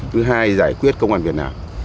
thứ hai giải quyết công an việt nam